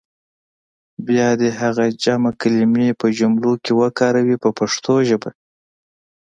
بیا دې هغه جمع کلمې په جملو کې وکاروي په پښتو ژبه.